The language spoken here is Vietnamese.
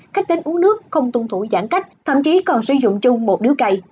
cách đến uống nước không tuân thủ giãn cách thậm chí còn sử dụng chung một đứa cây